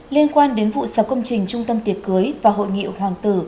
liên quan đến vụ sập công trình trung tâm tiệc cưới và hội nghị hoàng tử